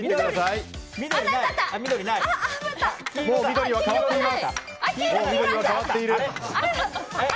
もう緑は変わっている。